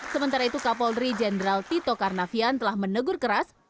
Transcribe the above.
sementara itu kapolri jenderal tito karnavian telah menegur keras